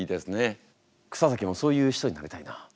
草滝もそういう人になりたいな。